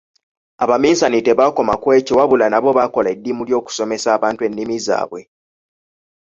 Abaminsani tebaakoma ku ekyo wabula nabo baakola eddimu ly’okusomesa abantu ennimi zaabwe.